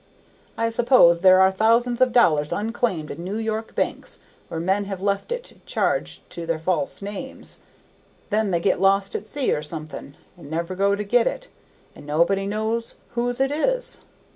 I suppose there are thousands of dollars unclaimed in New York banks, where men have left it charged to their false names; then they get lost at sea or something, and never go to get it, and nobody knows whose it is.